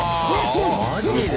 マジで。